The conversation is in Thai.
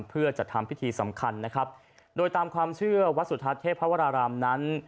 เพื่อจัดทำพิธีสำคัญนะครับโดยตามความเชื่อวัดสุทัศน์เทพวรารามนั้น